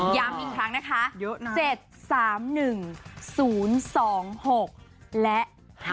ย้ำอีกครั้งนะคะ๗๓๑๐๒๖และ๕๗